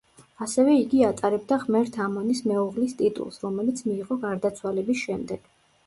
ასევე იგი ატარებდა „ღმერთ ამონის მეუღლის“ ტიტულს, რომელიც მიიღო გარდაცვალების შემდეგ.